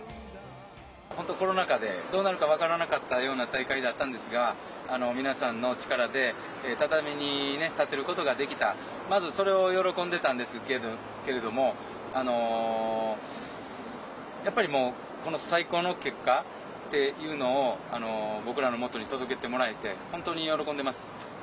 本当コロナ禍でどうなるか分からなかったような大会だったんですが皆さんの力で畳に立つことがまず、それを喜んでたんですけれどもやっぱりこの最高の結果っていうのを僕らのもとに届けてもらえて本当に喜んでます。